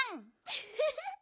ウフフ。